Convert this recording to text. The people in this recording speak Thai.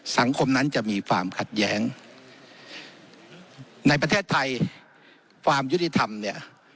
สังคมนั้นจะมีความขัดแย้งในประเทศไทยความยุติธรรมเนี่ย